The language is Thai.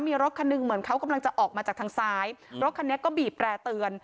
มีรถคันหนึ่งเหมือนเขากำลังจะออกมาจากทางซ้ายรถคันนี้ก็บีบแร่เตือน